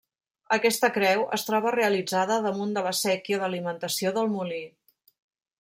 Aquesta creu es troba realitzada damunt de la séquia d'alimentació del molí.